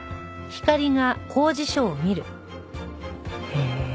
へえ。